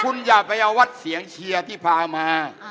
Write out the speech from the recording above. คุณอย่าไปเอาวัดเสียงเชียร์ที่พามา